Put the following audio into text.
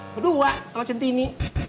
berdua sama centini